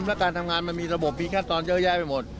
และการทำงานมันมีระบบมีการต่อเดิมยังใหญ่ไปหมด